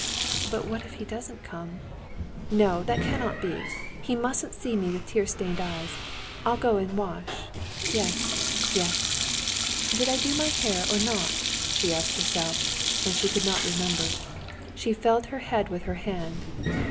But what if he doesn't come? No, that cannot be. He mustn't see me with tear stained eyes. I'll go and wash. Yes, yes; did I do my hair or not?" she asked herself. And she could not remember. She felt her head with her hand.